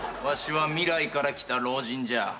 わしは未来から来た老人じゃ。